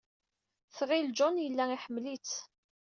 Tɣil John yella iḥemmel-itt.